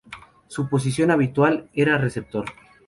Su posición habitual era receptor.